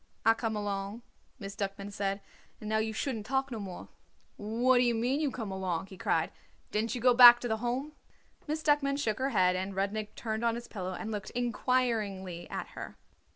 "I come along," Miss Duckman said; "and now you shouldn't talk no more." "What d'ye mean, you come along?" he cried. "Didn't you go back to the Home?" Miss Duckman shook her head, and Rudnik turned on his pillow and looked inquiringly at her.